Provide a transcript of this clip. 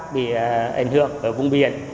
bị ảnh hưởng ở vùng biển